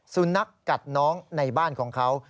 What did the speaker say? สุนัขกัดน้องในบ้านของเขา